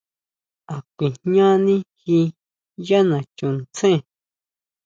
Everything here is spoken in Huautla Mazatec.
¿A kuijñani ji yá nachuntsén?